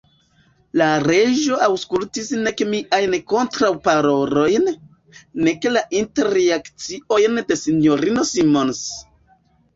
La Reĝo aŭskultis nek miajn kontraŭparolojn, nek la interjekciojn de S-ino Simons.